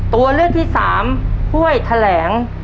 ตัวเลือกที่สามห้วยแถลง